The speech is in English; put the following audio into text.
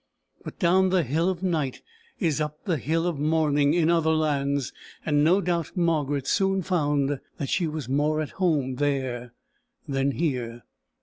But down the hill of night is up the hill of morning in other lands, and no doubt Margaret soon found that she was more at home there than here.